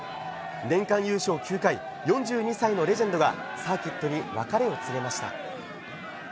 年間優勝９回４９歳のレジェンドがサーキットに別れを告げました。